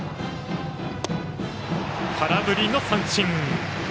空振りの三振。